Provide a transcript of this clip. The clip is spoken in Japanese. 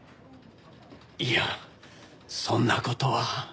いやそんな事は。